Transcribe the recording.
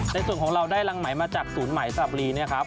ในส่วนของเราได้รังไหมมาจากศูนย์ใหม่สลับบุรีเนี่ยครับ